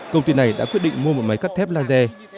công ty này đã quyết định mua một máy cắt thép laser